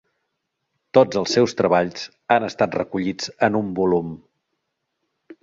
Tots els seus treballs han estat recollits en un volum.